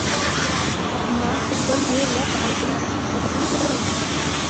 ما خپل ډېر وخت په هغه سوري کې په کتلو تېراوه.